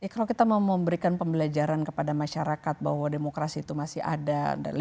kalau kita mau memberikan pembelajaran kepada masyarakat bahwa demokrasi itu masih ada